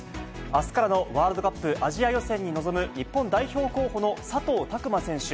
あすからのワールドカップアジア予選に臨む日本代表候補の佐藤卓磨選手。